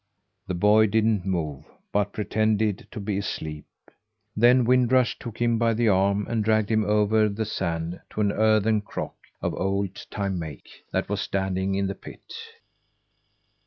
The boy didn't move, but pretended to be asleep. Then Wind Rush took him by the arm, and dragged him over the sand to an earthen crock of old time make, that was standing in the pit.